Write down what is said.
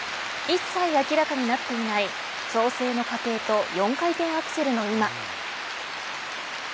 一切明らかになっていない調整の過程と４回転アクセルの今。